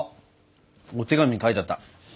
お手紙に書いてあった。